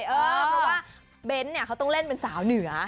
เพราะว่าเบ้นเนี่ยเขาต้องเล่นเป็นสาวเหนือ